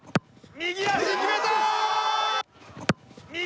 右足決めた！